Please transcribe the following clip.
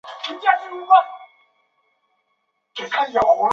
殿试登进士第三甲第八十一名。